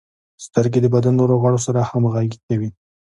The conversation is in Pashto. • سترګې د بدن نورو غړو سره همغږي کوي.